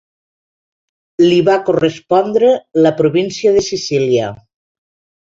Li va correspondre la província de Sicília.